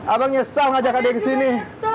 abang nyesal ngajak adik disini